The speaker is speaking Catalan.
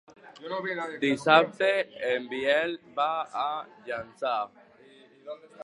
Dissabte en Biel va a Llançà.